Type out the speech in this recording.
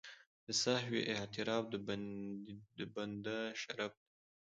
د سهوې اعتراف د بنده شرف دی.